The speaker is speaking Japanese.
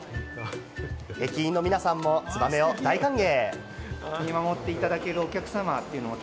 駅員の皆さんもツバメを大歓迎。